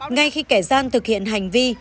ngay khi kẻ gian thực hiện hành vi